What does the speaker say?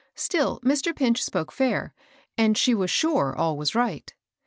Still Mr. Pinch spoke fair, and she was sure all was right.